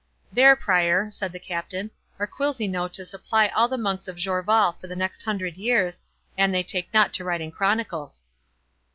"There, Prior," said the Captain, "are quills enow to supply all the monks of Jorvaulx for the next hundred years, an they take not to writing chronicles."